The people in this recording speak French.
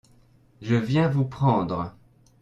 Je viens vous prendre.